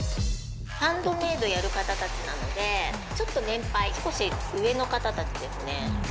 ハンドメイドやる方たちなので、ちょっと年配、少し上の方たちですね。